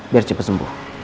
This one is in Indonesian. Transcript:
biar cepet sembuh